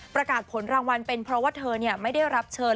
ประกาศผลรางวัลเป็นเพราะว่าเธอไม่ได้รับเชิญ